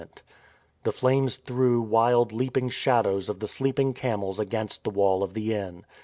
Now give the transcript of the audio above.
172 THE FORWARD TREAD The flames threw wild leaping shadows of the sleeping camels against the wall of the inn.